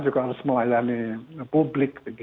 juga harus melayani publik